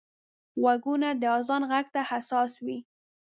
غوږونه د اذان غږ ته حساس وي